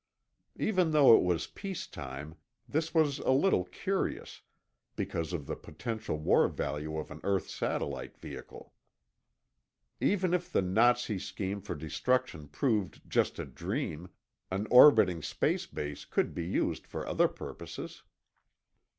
Even though it was peacetime, this was a little curious, because of the potential war value of an earth satellite vehicle. Even if the Nazi scheme for destruction proved just a dream, an orbiting space base could be used for other purposes.